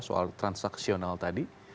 soal transaksional tadi